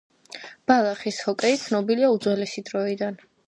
ბალახის ჰოკეი ცნობილია უძველესი დროიდან.